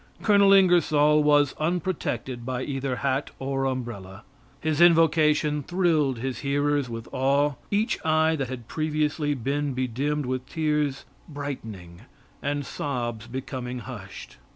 Colonel Ingersoll was unprotected by either hat or umbrella. His invocation thrilled his hearers with awe, each eye that had previously been bedimmed with tears brightening, and sobs becoming hushed.